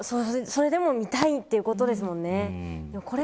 それでも見たいということですもんね。